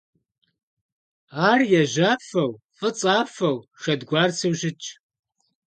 Ар яжьафэу, фӀыцӀафэу, шэдгуарцэу щытщ.